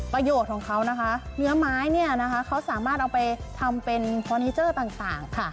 ประโยชน์ของเขานะคะเนื้อไม้เนี่ยนะคะเขาสามารถเอาไปทำเป็นฟอร์นิเจอร์ต่างค่ะ